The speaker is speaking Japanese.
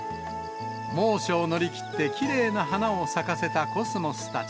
猛暑を乗り切ってきれいな花を咲かせたコスモスたち。